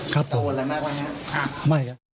ครับผม